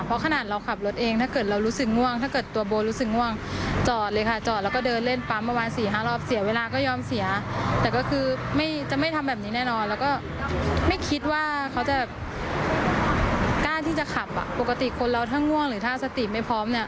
ปกติคนเราถ้าง่วงหรือถ้าสติไม่พร้อม